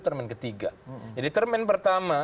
termen ketiga jadi termen pertama